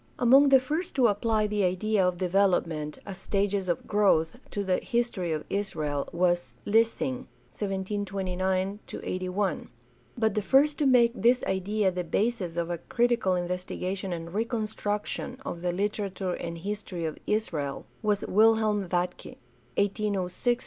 Among the first to apply the idea of development, as stages of growth, to the history of Israel was Lessing (1729 81); but the first to make this idea the basis of a critical investigation and reconstruction of the literature and his tory of Israel was Wilhelm Vatke (1806 82).